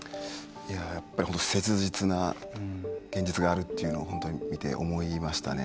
やっぱり切実な現実があるというのを本当に見て、思いましたね。